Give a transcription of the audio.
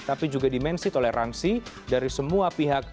tapi juga dimensi toleransi dari semua pihak